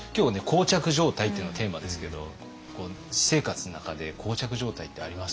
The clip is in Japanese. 「膠着状態」っていうのがテーマですけど私生活の中で膠着状態ってあります？